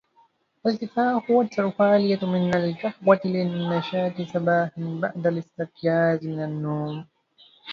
التفاح أكثر فعالية من القهوة للنشاط صباحا بعد الإستيقاظ من النوم.